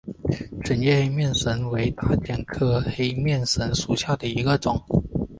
钝叶黑面神为大戟科黑面神属下的一个种。